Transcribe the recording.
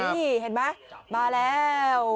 นี่เห็นไหมมาแล้ว